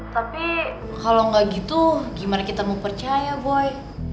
tapi kalo enggak gitu gimana kita mau percaya boy